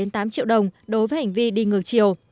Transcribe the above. tám triệu đồng đối với hành vi đi ngược chiều